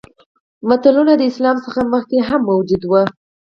متلونه د اسلام څخه مخکې هم موجود وو